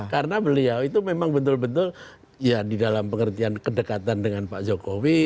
karena beliau itu memang betul betul ya di dalam pengertian kedekatan dengan pak jokowi